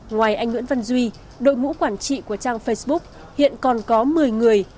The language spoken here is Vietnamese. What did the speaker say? ngoài anh nguyễn văn duy đội ngũ quản trị của trang facebook hiện còn có một mươi người